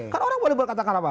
kan orang boleh berkatakan apa